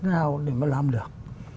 nào để mà làm được